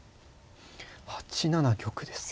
８七玉ですか。